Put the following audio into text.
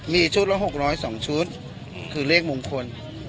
มีชุดละ๖๐๒ชุดคือเลขมงคล